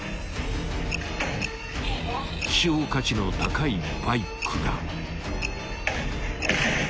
［希少価値の高いバイクが］